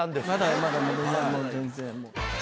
まだまだまだ全然。